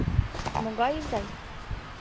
Могай изай?